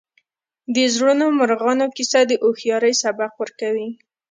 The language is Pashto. د زړورو مارغانو کیسه د هوښیارۍ سبق ورکوي.